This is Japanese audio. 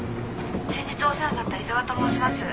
「先日お世話になった伊沢と申します」